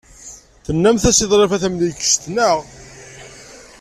Tennamt-as i Ḍrifa Tamlikect, naɣ?